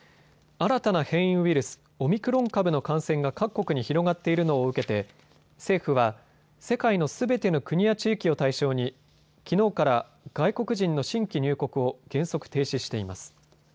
新たな変異ウイルス、オミクロン株の感染が各国に広がっているのを受けて政府は世界のすべての国や地域を対象にきのうから外国人の新規入国を原則、停止しています。